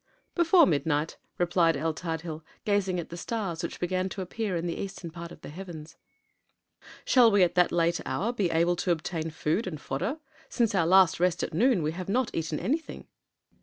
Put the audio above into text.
"Before midnight," replied el Tadhil, gazing at the stars which began to appear in the eastern part of the heavens. "Shall we at that late hour be able to obtain food and fodder? Since our last rest at noon we have not eaten anything."